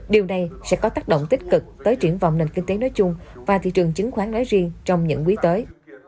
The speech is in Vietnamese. điều này sẽ có tác động tích cực tới triển vọng nền kinh tế nói chung và thị trường chứng khoán nói riêng trong những quý tới